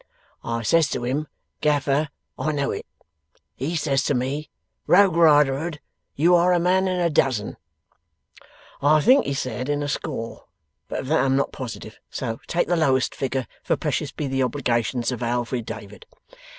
I says to him, "Gaffer, I know it." He says to me, "Rogue Riderhood, you are a man in a dozen" I think he said in a score, but of that I am not positive, so take the lowest figure, for precious be the obligations of a Alfred David.